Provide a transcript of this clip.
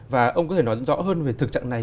và ông có thể nói rõ hơn về thực trạng này